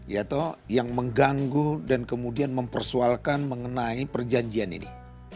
yaitu yang mengganggu dan kemudian mempersoalkan mengenai perjanjian ini